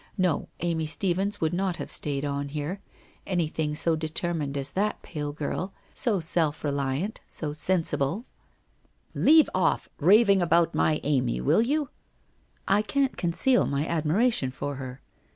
Xo, Amy Stephens would not have stayed on hen . Anything bo determined as that pale girl, BO self reliant, so sensible ' 380 WHITE ROSE OF WEARY LEAF 'Leave off raving about my Amy, will you?' ' I can't conceal my admiration of her.